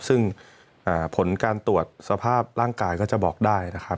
ซึ่งผลการตรวจสภาพร่างกายก็จะบอกได้นะครับ